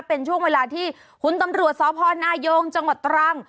เป็นช่วงเวลาที่คุณตำรวจสพนายงจังหวัดตรัง